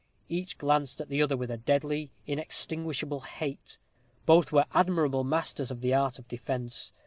Each glanced at the other with deadly, inextinguishable hate. Both were admirable masters of the art of defence.